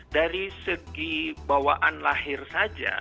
dari segi bawaan lahir saja